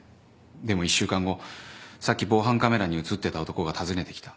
でも１週間後さっき防犯カメラに映ってた男が訪ねてきた。